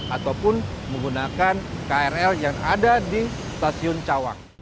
ataupun menggunakan krl yang ada di stasiun cawang